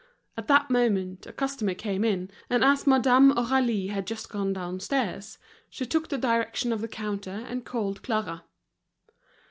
At that moment a customer came in, and as Madame Aurélie had just gone downstairs, she took the direction of the counter, and called Clara.